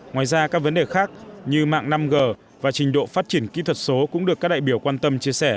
ngoài ra các vấn đề khác như mạng năm g và trình độ phát triển kỹ thuật số cũng được các đại biểu quan tâm chia sẻ